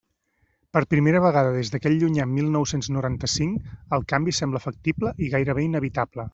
Per primera vegada des d'aquell llunyà mil nou-cents noranta-cinc, el canvi sembla factible i gairebé inevitable.